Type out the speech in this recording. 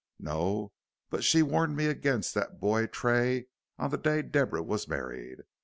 "No. But she warned me against that boy Tray on the day Deborah was married.